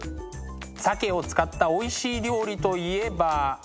鮭を使ったおいしい料理といえば。